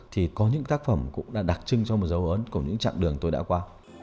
thì có những tác phẩm cũng là đặc trưng cho một dấu ấn của những chặng đường tôi đã qua